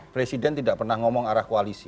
presiden tidak pernah ngomong arah koalisi